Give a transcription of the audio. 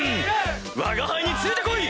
わが輩について来い！